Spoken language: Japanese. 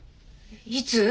いつ？